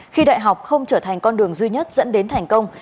khi đại học không trở thành con đường duy nhất dẫn đến thành công